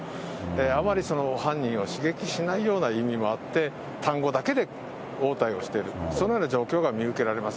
あまり犯人を刺激しないような意味もあって、単語だけで応対をしている、そのような状況が見受けられます。